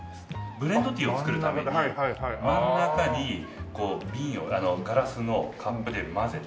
ブレンドティーを作るために真ん中にこう瓶をガラスのカップで混ぜて。